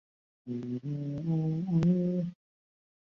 苍南毛蕨为金星蕨科毛蕨属下的一个种。